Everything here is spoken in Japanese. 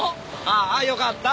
ああ良かった。